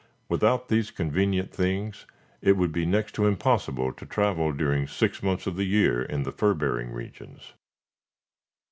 Without these convenient things, it would be next to impossible to travel during six months of the year in the fur bearing regions.